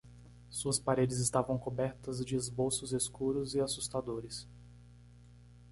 Suas paredes estavam cobertas de esboços escuros e assustadores.